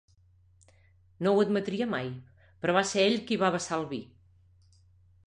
No ho admetria mai, però va ser ell qui va vessar el vi.